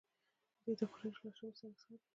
دوی د قریشو له هاشمي څانګې څخه دي.